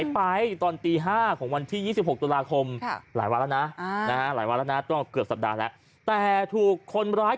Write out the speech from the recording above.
เป็นครั้งแรกอ่ะ